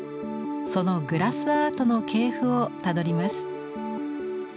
そのグラスアートの系譜をたどります。